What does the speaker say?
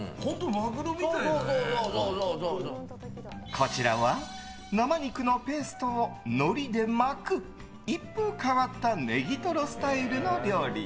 こちらは生肉のペーストをのりで巻く一風変わったネギトロスタイルの料理。